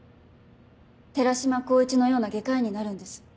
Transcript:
寺島光一のような外科医になるんです。